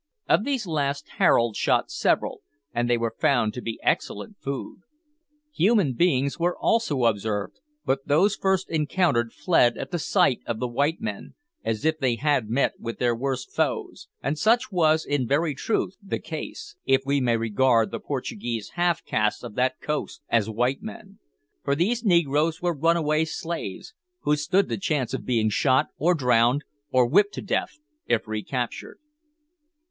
Of these last Harold shot several, and they were found to be excellent food. Human beings were also observed, but those first encountered fled at the sight of the white men, as if they had met with their worst foes; and such was in very truth the case, if we may regard the Portuguese half castes of that coast as white men, for these negroes were runaway slaves, who stood the chance of being shot, or drowned, or whipped to death, if recaptured.